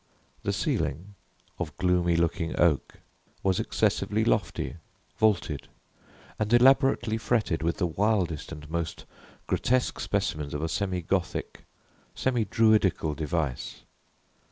The ceiling, of gloomy looking oak, was excessively lofty, vaulted, and elaborately fretted with the wildest and most grotesque specimens of a semi Gothic, semi Druidical device.